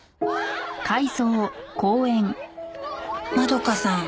円香さん。